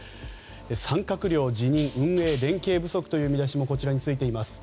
３閣僚辞任、運営連携不足という見出しもついています。